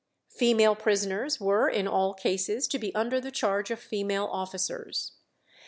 Female prisoners were in all cases to be under the charge of female officers.